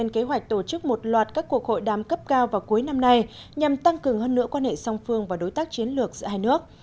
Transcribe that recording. kế hoạch tổ chức một loạt các cuộc hội đàm cấp cao vào cuối năm nay nhằm tăng cường hơn nữa quan hệ song phương và đối tác chiến lược giữa hai nước